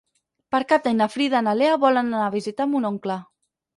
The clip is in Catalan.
Per Cap d'Any na Frida i na Lea volen anar a visitar mon oncle.